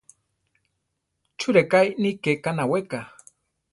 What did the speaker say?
¿Chú rʼeká iʼní ké anaweka?